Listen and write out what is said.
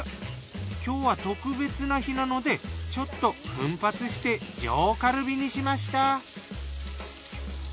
今日は特別な日なのでちょっと奮発して上カルビにしました。